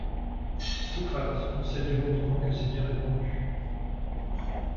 Socrate concède ironiquement que c'est bien répondu.